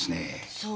そう。